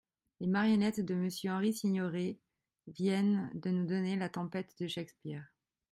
Les marionnettes de Monsieur Henri Signoret viennent de nous donner la Tempête de Shakespeare.